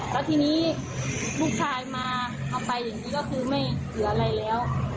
แล้วทีนี้ลูกชายมาเอาไปอย่างนี้ก็คือไม่เหลืออะไรแล้ว